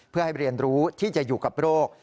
เพื่อให้เรียนรู้ที่จะอยู่กับโรค